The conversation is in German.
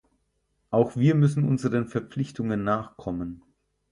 Auch wir müssen unseren Verpflichtungen nachkommen.